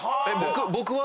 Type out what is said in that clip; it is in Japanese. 僕は？